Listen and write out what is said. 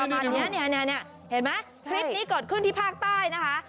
ดูนี่เห็นไหมคลิปนี้กดขึ้นที่ภาคใต้นะคะ